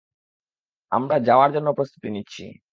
আমরা যাওয়ার জন্য প্রস্তুতি নিচ্ছি!